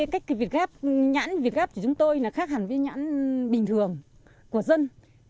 cách nhãn việt gáp của chúng tôi khác hẳn với nhãn bình thường của dân